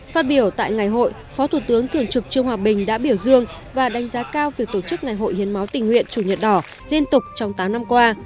phát biểu tại ngày hội phó thủ tướng thường trực trương hòa bình đã biểu dương và đánh giá cao việc tổ chức ngày hội hiến máu tình nguyện chủ nhật đỏ liên tục trong tám năm qua